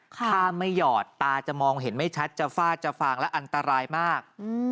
ถ้าไม่หยอดตาจะมองเห็นไม่ชัดจะฟาดจะฟางและอันตรายมาก